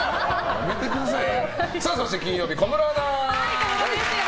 やめてくださいよ。